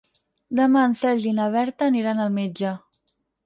Demà en Sergi i na Berta aniran al metge.